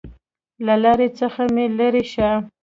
له لارې څخه مې لېرې شه!